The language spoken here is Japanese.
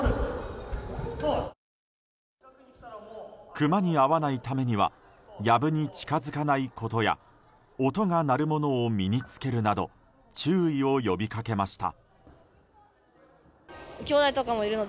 クマに会わないためにはやぶに近づかないことや音が鳴るものを身に付けるなど注意を呼びかけました。